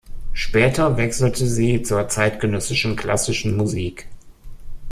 Später wechselte sie zur zeitgenössischen klassischen Musik.